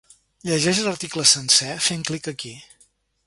Llegeix l’article sencer fent clic aquí.